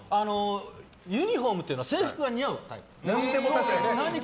ユニホームというか制服が似合うタイプ。